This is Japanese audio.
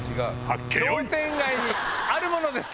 商店街にあるものです。